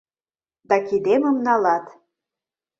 Да кидемым налат